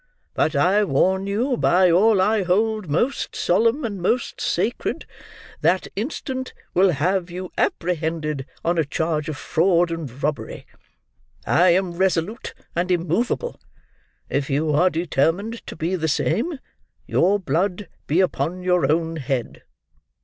But I warn you, by all I hold most solemn and most sacred, that instant will have you apprehended on a charge of fraud and robbery. I am resolute and immoveable. If you are determined to be the same, your blood be upon your own head!"